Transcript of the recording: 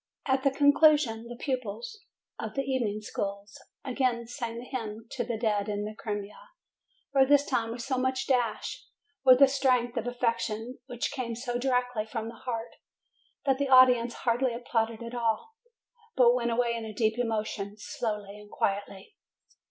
At the conclusion, the pupils of the evening schools 326 JUNE again sang the hymn to the dead in the Crimea, but this time with so much dash, with a strength of affection which came so directly from the heart, that the audience hardly applauded at all, but went away in deep emotion, slowly and quietly.